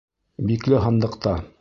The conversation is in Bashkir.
Бикле һандыҡта